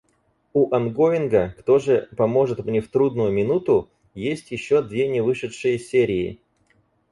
У онгоинга «Кто же поможет мне в трудную минуту?» есть ещё две невышедшие серии.